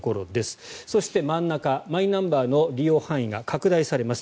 そして真ん中マイナンバーの利用範囲が拡大されます。